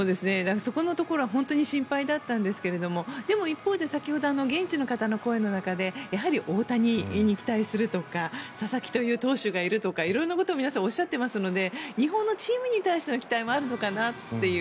そこのところが本当に心配だったんですけれどもでも一方で先ほど現地の方の声の中で大谷に期待するとか佐々木という投手がいるとかいろんなことをおっしゃってますので日本のチームに対しての期待もあるのかなという。